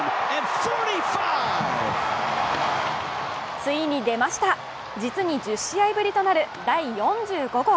ついに出ました、実に１０試合ぶりとなる第４５号。